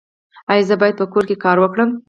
ایا زه باید په کور کې کار وکړم؟